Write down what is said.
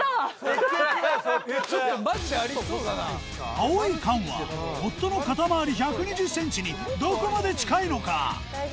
青い缶は夫の肩回り１２０ｃｍにどこまで近いのか？